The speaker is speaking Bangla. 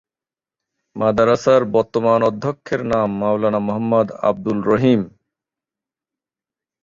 মাদ্রাসার বর্তমান অধ্যক্ষের নাম মাওলানা মোহাম্মদ আব্দুর রহিম।